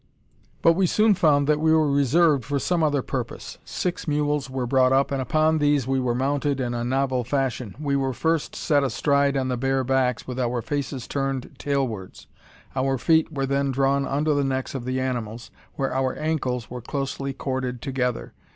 But we soon found that we were reserved for some other purpose. Six mules were brought up, and upon these we were mounted in a novel fashion. We were first set astride on the bare backs, with our faces turned tailwards. Our feet were then drawn under the necks of the animals, where our ankles were closely corded together.